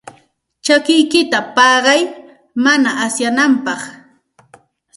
Chakikiyta paqay mana asyananpaq.